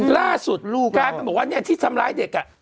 ล่าสุดลูกการบอกว่าที่ทำร้ายเด็ก